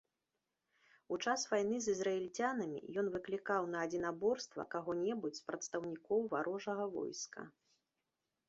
У час вайны з ізраільцянамі ён выклікаў на адзінаборства каго-небудзь з прадстаўнікоў варожага войска.